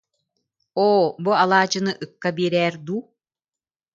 Оо, бу алаадьыны ыкка биэрэр дуу